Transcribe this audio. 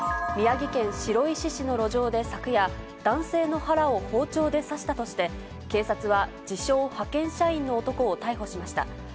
宮城県白石市の路上で昨夜、男性の腹を包丁で刺したとして、警察は自称、派遣社員の男を逮捕しました。